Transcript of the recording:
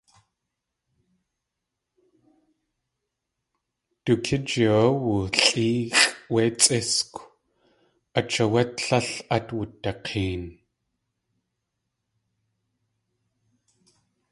Du kíji áwé woolʼéexʼ wé tsʼítskw, ách áwé tlél át wudak̲een.